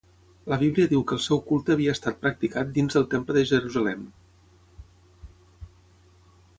La Bíblia diu que el seu culte havia estat practicat dins del Temple de Jerusalem.